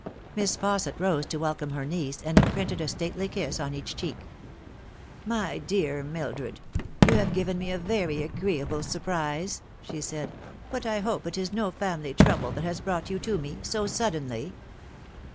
Miss Fausset rose to welcome her niece, and imprinted a stately kiss on each cheek. 164 The Fatal Three. "My dear Mildred, you have given me a very agreeable surprise," she said ;" but I hope it is no family trouble that has brought you to me so suddenly."